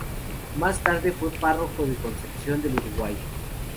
Más tarde fue párroco de Concepción del Uruguay.